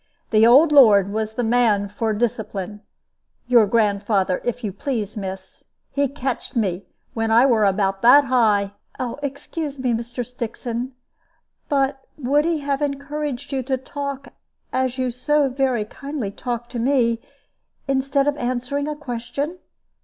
The old lord was the man for discipline your grandfather, if you please, miss. He catched me when I were about that high " "Excuse me, Mr. Stixon; but would he have encouraged you to talk as you so very kindly talk to me, instead of answering a question?"